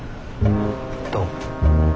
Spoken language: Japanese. どう？